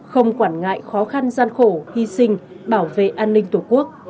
không quản ngại khó khăn gian khổ hy sinh bảo vệ an ninh tổ quốc